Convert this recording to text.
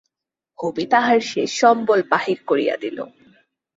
ভবি তাহার শেষ সম্বল বাহির করিয়া দিল।